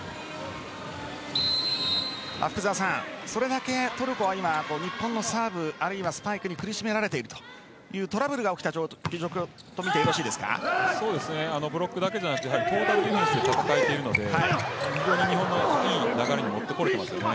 福澤さん、それだけトルコは日本のサーブ、あるいはスパイクに苦しめられているというトラブルが起きた状況とみてブロックだけじゃなくトータルディフェンスで戦えているので日本のいい流れに持ってこれていますよね。